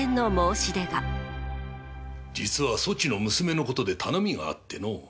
実はそちの娘のことで頼みがあってのう。